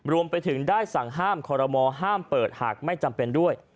รวมไปถึงได้สั่งห้ามคอรมอห้ามเปิดหากไม่จำเป็นด้วย